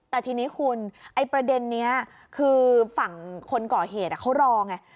แต่ทีนี้คุณไอ้ประเด็นนี้คือฝั่งคนก่อเหตุเขารอไง